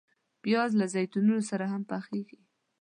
پیاز له زیتونو سره هم پخیږي